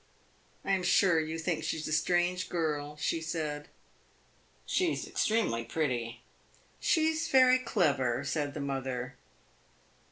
"I am sure you think she 's a strange girl," she said. "She is extremely pretty." "She is very clever," said the mother.